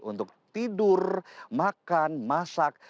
untuk tidur makan masak